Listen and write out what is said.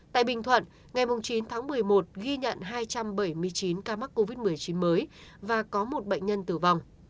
tại bình thuận ngày chín tháng một mươi một ghi nhận hai trăm bảy mươi chín ca mắc covid một mươi chín mới và có một bệnh nhân tử vong